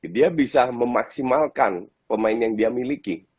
dia bisa memaksimalkan pemain yang dia miliki